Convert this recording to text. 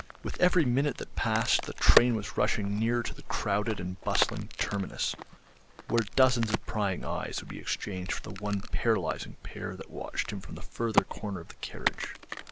With every minute that passed the train was rushing nearer to the crowded and bustling terminus where dozens of prying eyes would be exchanged for the one paralysing pair that watched him from the further corner of the carriage.